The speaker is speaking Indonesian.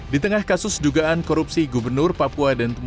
di tengah kasus dugaan korupsi gubernur papua dan temuan